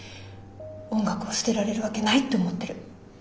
音楽を捨てられるわけないって思ってる。